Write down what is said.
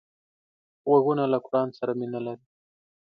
غوږونه له قرآن سره مینه لري